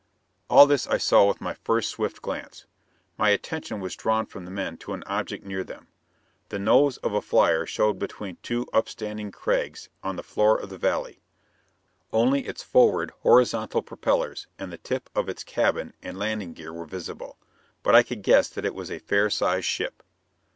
All this I saw with my first swift glance. My attention was drawn from the men to an object near them. The nose of a flyer showed between two upstanding crags on the floor of the valley. Only its forward horizontal propellers and the tip of its cabin and landing gear were visible, but I could guess that it was a fair sized ship.